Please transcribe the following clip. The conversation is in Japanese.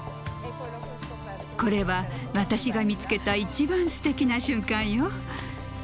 これは私が見つけた一番素敵な瞬間よ。